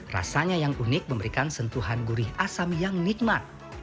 rasanya yang unik memberikan sentuhan gurih asam yang nikmat